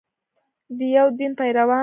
د یو دین پیروان.